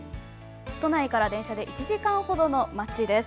都内から電車で１時間程にある街です。